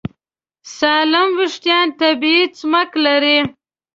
سالم وېښتيان طبیعي چمک لري.